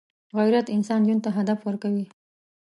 غیرت انسان ژوند ته هدف ورکوي